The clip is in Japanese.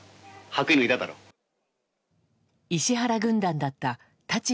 石原軍団だった舘